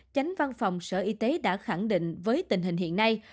chánh văn phòng sở y tế đã khẳng định với tình hình hiện nay